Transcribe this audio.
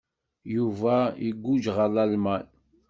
Yuba iguǧǧ ɣer Lalman.